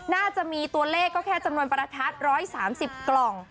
น่าจะมีตัวเลขก็แค่จำนวนประทัด๑๓๐กล่อง